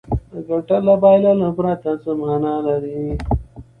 ګټل له بایللو پرته څه معنا لري.